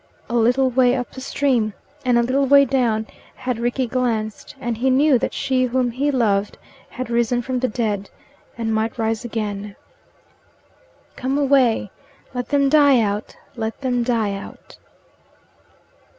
A little way up the stream and a little way down had Rickie glanced, and he knew that she whom he loved had risen from the dead, and might rise again. "Come away let them die out let them die out."